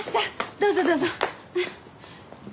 どうぞどうぞ。